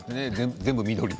全部緑で。